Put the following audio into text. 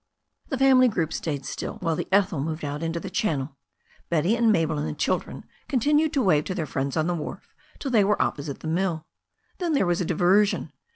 The family group stayed still while the Ethel moved out into the channel. Betty and Mabel and the children con tinued to wave to their friends on the wharf till they were opposite the mill. Then there was a diversion.